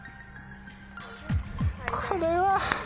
これは。